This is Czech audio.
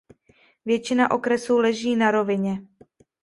Většina okresu leží na rovině.